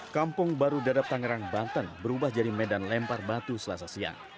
kampung baru dadap tangerang banten berubah jadi medan lempar batu selasa siang